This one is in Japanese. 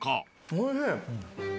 おいしい！